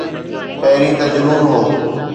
پهرين ته جنون هو.